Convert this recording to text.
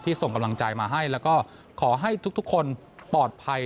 ส่งกำลังใจมาให้แล้วก็ขอให้ทุกคนปลอดภัย